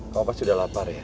kamu pasti sudah lapar ya